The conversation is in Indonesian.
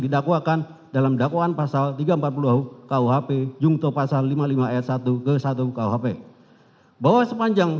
didakwakan dalam dakwaan pasal tiga ratus empat puluh kuhp jungto pasal lima puluh lima ayat satu ke satu kuhp bahwa sepanjang